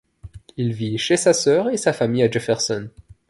Il vit chez sa sœur et sa famille à Jefferson.